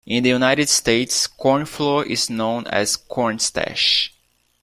In the United States, cornflour is known as cornstarch